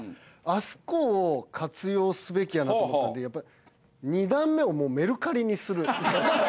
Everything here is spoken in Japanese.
あそこを活用すべきやなと思ったんで２段目をメルカリにする。